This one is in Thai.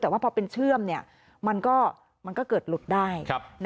แต่ว่าพอเป็นเชื่อมมันก็เกิดหลุดได้